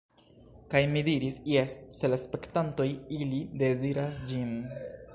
Kaj mi diris: "Jes, sed la spektantoj ili deziras ĝin."